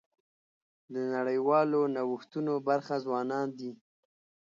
د نړیوالو نوښتونو برخه ځوانان دي.